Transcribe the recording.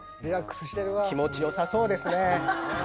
気持ちよさそうですね